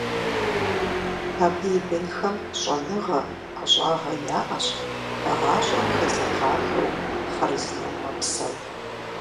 Абы и бынхэм щӀэныгъэ, ӀэщӀагъэ яӀэщ, гъащӀэм хэзэгъахэу хъарзынэу мэпсэу.